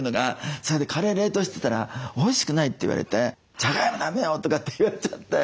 それでカレー冷凍してたら「おいしくない」って言われて「じゃがいもだめよ」とかって言われちゃって。